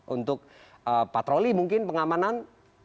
untuk patroli mungkin pengamanan